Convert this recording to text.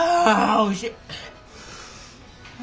おいしい！